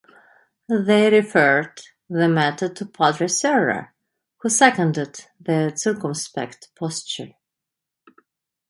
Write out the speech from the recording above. They referred the matter to padre Serra, who seconded their circumspect posture.